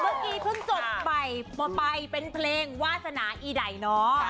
เมื่อกี้เพิ่งจบใหม่ไปเป็นเพลงวาสนาอีไดเนาะ